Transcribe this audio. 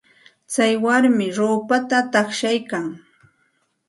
Tsay warmi ruupata taqshaykan.